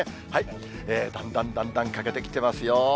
だんだんだんだん欠けてきてますよ。